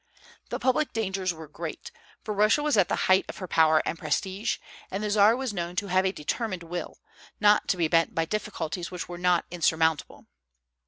The public dangers were great; for Russia was at the height of her power and prestige, and the Czar was known to have a determined will, not to be bent by difficulties which were not insurmountable.